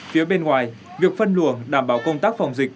phía bên ngoài việc phân luồng đảm bảo công tác phòng dịch